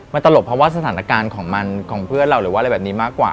มันตลบเพราะว่าสถานการณ์ของมันของเพื่อนเราหรือว่าอะไรแบบนี้มากกว่า